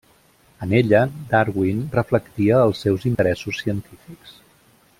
En ella, Darwin reflectia els seus interessos científics.